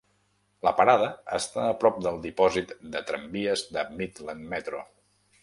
La parada està a prop del dipòsit de tramvies de Midland Metro.